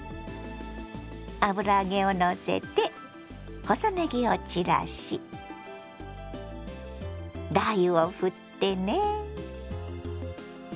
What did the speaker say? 油揚げをのせて細ねぎを散らしラー油をふってね。